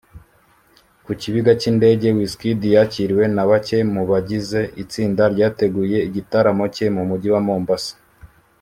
Ku kibiga cy’indege Wizkid yakiriwe na bake mu bagize itsinda ryateguye igitaramo cye mu Mujyi wa Mombasa